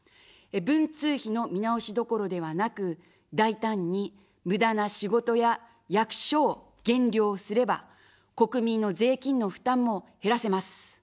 文通費の見直しどころではなく、大胆に無駄な仕事や役所を減量すれば、国民の税金の負担も減らせます。